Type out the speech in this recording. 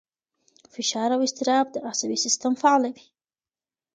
فشار او اضطراب عصبي سیستم فعالوي.